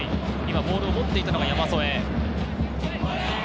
今ボールを持っていたのが山副です。